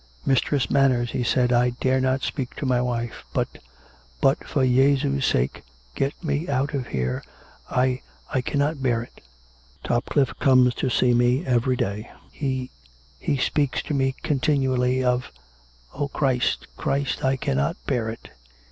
"Mistress Manners," he said, " I dare not speak to my. wife. But ... but, for Jesu's sake, get me out of here. I ... I cannot bear it. ... Topcliffe comes to see me every day. ... He ... he speaks to me continually of O Christ ! Christ ! I cannot bear it